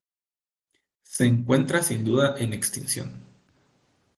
Se encuentra sin duda en extinción.